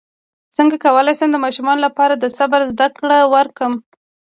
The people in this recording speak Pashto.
څنګه کولی شم د ماشومانو لپاره د صبر زدکړه ورکړم